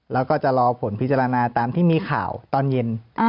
แล้วก็จะรอผลพิจารณาตามที่มีข่าวตอนเย็น